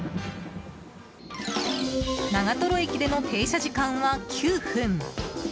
長瀞駅での停車時間は９分。